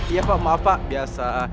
iya pak maaf pak biasa